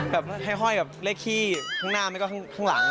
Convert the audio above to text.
แบบให้ห้อยเลขขี้ทั้งหน้าไม่ก็ทั้งหลัง